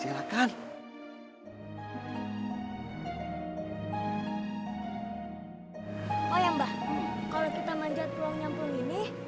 oh ya mbah kalau kita manjat pulau nyampung ini